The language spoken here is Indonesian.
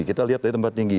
kita lihat dari tempat tinggi